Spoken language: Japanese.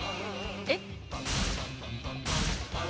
えっ？